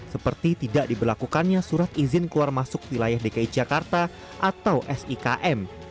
seperti tidak diberlakukannya surat izin keluar masuk wilayah dki jakarta atau sikm